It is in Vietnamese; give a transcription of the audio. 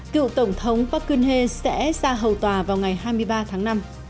cựu tổng thống park geun hye sẽ ra hầu tòa vào ngày hai mươi ba tháng năm